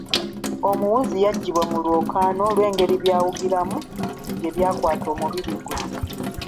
Omuwuzi yagibwa mu lwokaano olw'engeri by'awugirwamu gye byakwata omubiri ggwe.